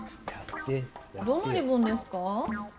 どのリボンですか？